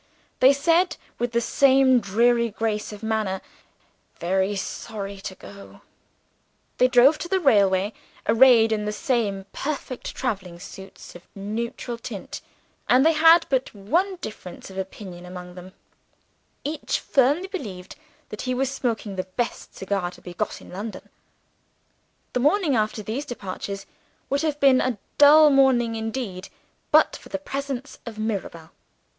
They said, with the same dreary grace of manner, "Very sorry to go"; they drove to the railway, arrayed in the same perfect traveling suits of neutral tint; and they had but one difference of opinion among them each firmly believed that he was smoking the best cigar to be got in London. The morning after these departures would have been a dull morning indeed, but for the presence of Mirabel.